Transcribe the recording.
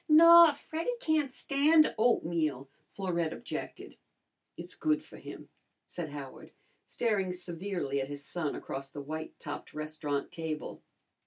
"Naw, Freddy can't stand oatmeal," Florette objected. "It's good for him," said Howard, staring severely at his son across the white topped restaurant table.